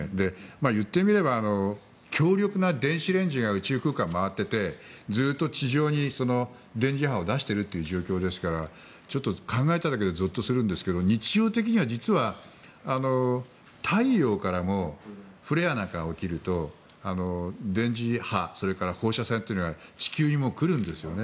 言ってみれば強力な電子レンジが宇宙空間を回っていてずっと地上に電磁波を出しているという状況ですからちょっと考えただけでぞっとするんですが日常的には実は太陽からもフレアなんかが起きると電磁波それから放射線というのは地球に来るんですよね。